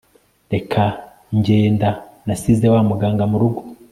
reka ngenda nasize wa muganga murugo